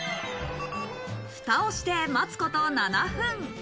フタをして待つこと７分。